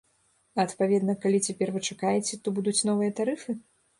А адпаведна, калі цяпер вы чакаеце, то будуць новыя тарыфы?